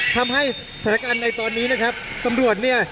ทำให้สถานการณ์ในตอนนี้นะครับตำรวจเนี่ย